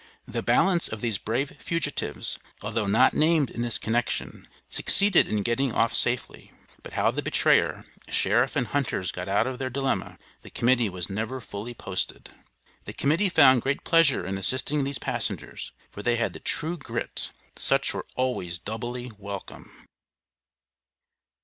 The balance of these brave fugitives, although not named in this connection, succeeded in getting off safely. But how the betrayer, sheriff and hunters got out of their dilemma, the Committee was never fully posted. The Committee found great pleasure in assisting these passengers, for they had the true grit. Such were always doubly welcome.